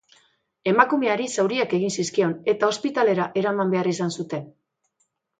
Emakumeari zauriak egin zizkion eta ospitalera eraman behar izan zuten.